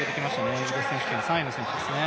イギリス選手権３位の選手ですね。